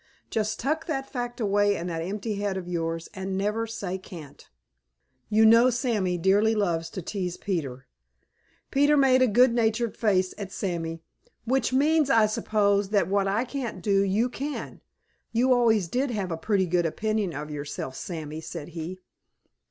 Just tuck that fact away in that empty head of yours and never say can't." You know Sammy dearly loves to tease Peter. Peter made a good natured face at Sammy. "Which means, I suppose, that what I can't do you can. You always did have a pretty good opinion of yourself, Sammy," said he.